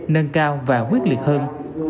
nâng cao và quyết liệt hơn